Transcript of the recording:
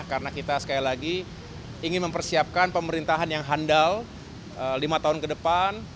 karena kita sekali lagi ingin mempersiapkan pemerintahan yang handal lima tahun ke depan